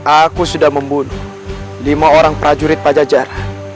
aku sudah membunuh lima orang prajurit pajajar